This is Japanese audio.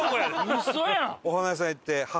ウソやん！